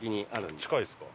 近いです。